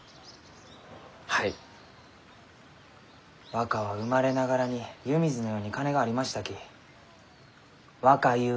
若は生まれながらに湯水のように金がありましたき若ゆう